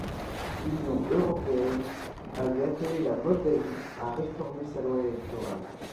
L'Union européenne avait appelé la Moldavie à réformer sa loi électorale.